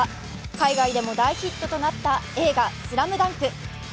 海外でも大ヒットとなった映画「ＳＬＡＭＤＵＮＫ」。